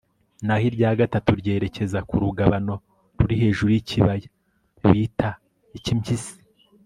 naho irya gatatu ryerekeza ku rugabano ruri hejuru y'ikibaya bita icy'impyisi